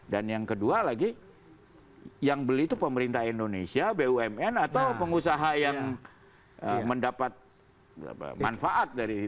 dan yang kedua lagi yang beli itu pemerintah indonesia bumn atau pengusaha yang mendapat manfaat dari itu